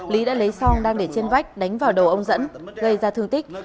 lý đã lấy xong đang để trên vách đánh vào đầu ông dẫn gây ra thương tích